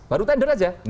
baru tender aja